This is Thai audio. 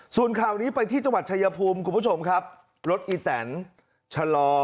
ส่วนข่าวนี้ไปที่จังหวัดชายภูมิคุณผู้ชมครับรถอีแตนชะลอ